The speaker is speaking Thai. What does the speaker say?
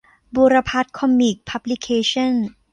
บุรพัฒน์ คอมิคส์ พับลิเคชันส์